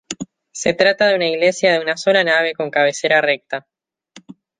Se trata de una iglesia de una sola nave con cabecera recta.